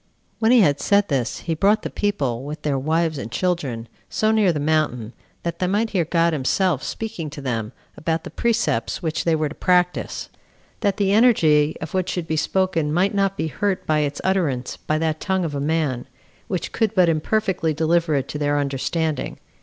4. When he had said this, he brought the people, with their wives and children, so near the mountain, that they might hear God himself speaking to them about the precepts which they were to practice; that the energy of what should be spoken might not be hurt by its utterance by that tongue of a man, which could but imperfectly deliver it to their understanding.